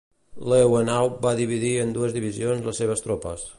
Lewenhaupt va dividir en dues divisions les seves tropes.